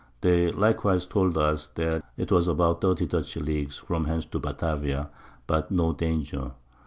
They likewise told us, that 'twas about 30 Dutch Leagues from hence to Batavia; but no Danger.